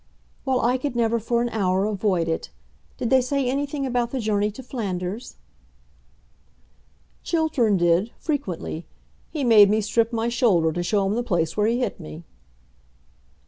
"While I could never for an hour avoid it. Did they say anything about the journey to Flanders?" "Chiltern did, frequently. He made me strip my shoulder to show him the place where he hit me."